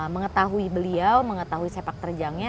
mengetahui beliau mengetahui sepak terjangnya